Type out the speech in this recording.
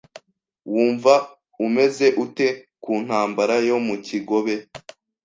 Wumva umeze ute ku ntambara yo mu kigobe?